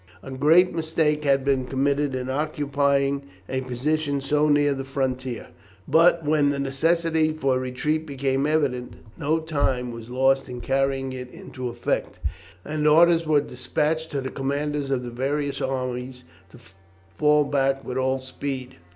A great mistake had been committed in occupying a position so near the frontier, but when the necessity for retreat became evident, no time was lost in carrying it into effect, and orders were despatched to the commanders of the various armies to fall back with all speed.